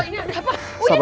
ini ada apa